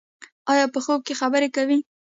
ایا په خوب کې خبرې کوئ؟